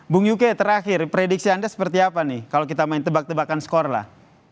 bung yuke terakhir prediksi anda seperti apa nih kalau kita main tebak tebakan skor lah